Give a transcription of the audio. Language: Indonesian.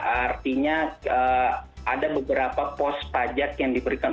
artinya ada beberapa pos pajak yang diberikan